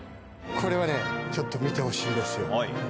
これはねちょっと見てほしいんですよ。